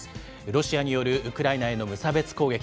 ロシアによるウクライナへの無差別攻撃。